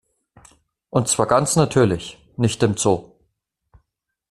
Und zwar ganz natürlich, nicht im Zoo.